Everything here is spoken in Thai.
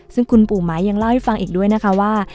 ซึ่งคุณปู่ไม้ยังเล่าให้ฟังอีกด้วยนะคะว่า